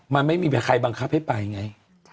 มันไม่มีใครบังคับให้ไปไง